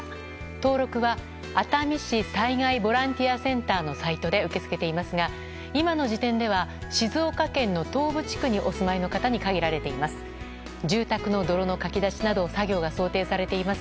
登録は、熱海市災害ボランティアセンターのサイトで受け付けていますが今の時点では静岡県の東部地区にお住まいの方に限られています。